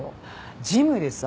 ジムでさ